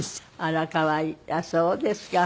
あっそうですか。